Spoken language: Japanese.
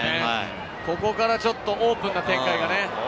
ここからちょっとオープンな展開がね。